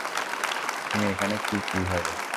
তুমি এখানে কী কীভাবে?